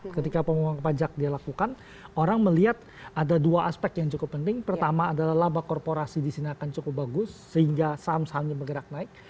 ketika pengumuman pajak dia lakukan orang melihat ada dua aspek yang cukup penting pertama adalah laba korporasi di sini akan cukup bagus sehingga saham sahamnya bergerak naik